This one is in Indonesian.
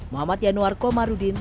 muhammad yanuar komarudi